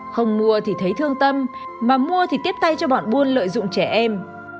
không mua thì thấy thương tâm mà mua thì tiếp tay cho bọn buôn lợi dụng trẻ em